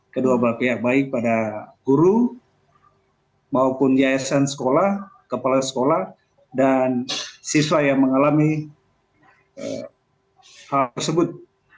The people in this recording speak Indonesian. kedua belah pihak baik pada guru maupun yayasan sekolah kepala sekolah dan siswa yang mengalami hal tersebut